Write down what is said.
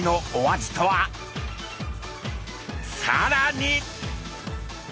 さらに！